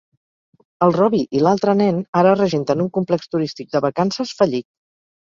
El Robbie i l'altre ren ara regenten un complex turístic de vacances fallit.